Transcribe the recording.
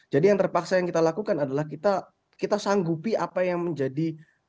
jadi yang terpaksa yang kita lakukan adalah kita sanggupi apa yang menjadi